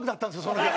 その日。